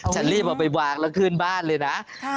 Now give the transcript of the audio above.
ฉันรีบเอาไปวางแล้วขึ้นบ้านเลยนะ